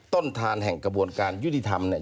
ต้นทานแห่งกระบวนการยุติธรรมเนี่ย